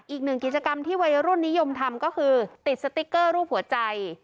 อีกหนึ่งกิจกรรมที่วัยรุ่นนิยมทำก็คือติดสติ๊กเกอร์รูปหัวใจ